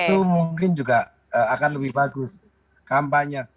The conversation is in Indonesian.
itu mungkin juga akan lebih bagus kampanye